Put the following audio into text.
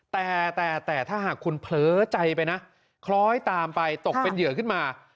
แต่แต่ถ้าหากคุณเผลอใจไปนะคล้อยตามไปตกเป็นเหยื่อขึ้นมา